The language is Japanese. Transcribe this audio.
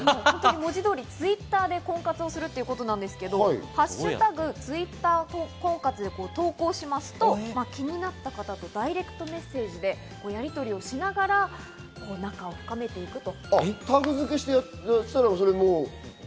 文字通り、Ｔｗｉｔｔｅｒで婚活するということなんですが、「＃Ｔｗｉｔｔｅｒ婚活」で投稿しますと気になった方とダイレクトメッセージでやり取りをしながら仲を深めていくと。